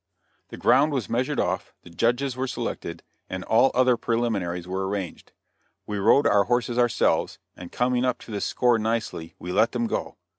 The ground was measured off, the judges were selected, and all other preliminaries were arranged. We rode our horses ourselves, and coming up to the score nicely we let them go.